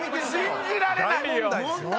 信じられないよ！